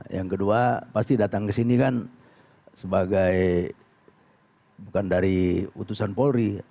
yang kedua pasti datang ke sini kan sebagai bukan dari utusan polri